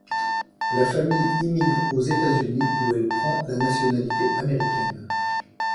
La famille immigre aux États-Unis et où elle prend la nationalité américaine.